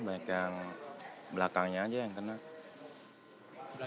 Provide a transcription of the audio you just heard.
banyak yang belakangnya aja yang kena